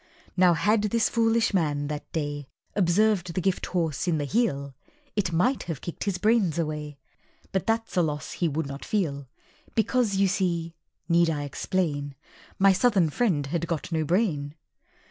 Now, had this foolish man, that day, Observed the Gifthorse in the Heel, It might have kicked his brains away, But that's a loss he would not feel; Because you see (need I explain?) My Southern friend had got no brain.